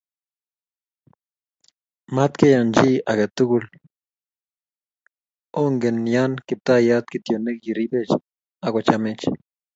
matkeyan chi agetugul o nge yan kiptayat kityo ne kiripech ak kochamech